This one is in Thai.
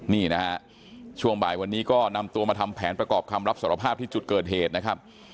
นี่นะฮะช่วงบ่ายวันนี้ก็นำตัวมาทำแผนประกอบคำรับสารภาพที่จุดเกิดเหตุนะครับ